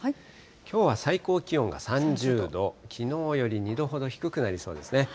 きょうは最高気温が３０度、きのうより２度ほど低くなりそうですね。